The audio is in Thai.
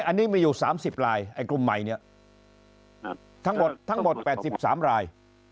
อันนี้มีอยู่๓๐ลายกลุ่มใหม่เนี่ยทั้งหมด๘๓ลาย